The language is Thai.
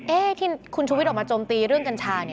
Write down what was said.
เอ๊ะที่คุณชุวิตออกมาจมตีเรื่องกัญชา